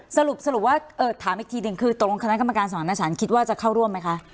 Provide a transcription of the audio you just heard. สรุปสรุปว่าเอ่อถามอีกทีหนึ่งคือตรงคณะกรรมการสนับหน้าฉันคิดว่าจะเข้าร่วมไหมคะ